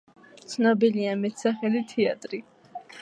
ცნობილია მეტსახელით „თეატრი“.